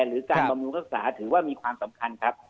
หรือการบำรุงรักษาถือว่ามีความสำคัญครับ